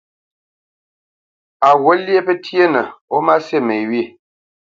Á ghût lyéʼ pətyénə ó má sí me wyê?